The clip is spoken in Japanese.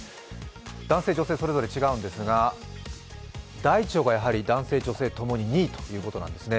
男性女性、それぞれ違うんですが大腸が男性女性共に２位ということなんですね。